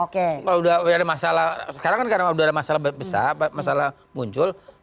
kalau udah ada masalah sekarang kan karena sudah ada masalah besar masalah muncul